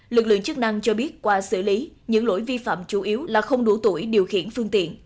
lực lượng chức năng cho biết qua xử lý những lỗi vi phạm chủ yếu là không đủ tuổi điều khiển phương tiện